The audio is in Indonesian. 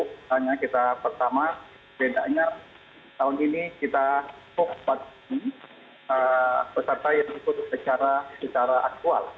hanya kita pertama bedanya tahun ini kita fokus pada ini bersama sama dengan secara aktual